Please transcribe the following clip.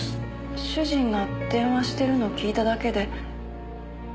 主人が電話してるのを聞いただけで。